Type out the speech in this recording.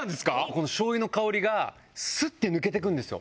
このしょう油の香りがスッて抜けてくんですよ